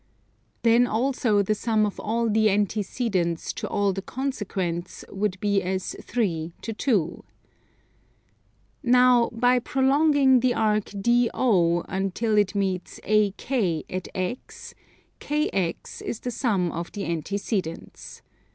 Then also the sum of all the antecedents to all the consequents would be as 3 to 2. Now by prolonging the arc DO until it meets AK at X, KX is the sum of the antecedents.